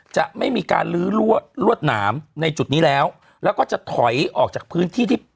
จะไม่มีการลื้อรวดหนามในจุดนี้แล้วแล้วก็จะถอยออกจากพื้นที่ที่